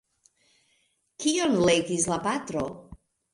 Kion legis la patro?